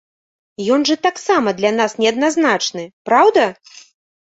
Ён жа таксама для нас неадназначны, праўда?